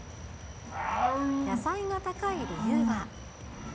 野菜が高い理由は。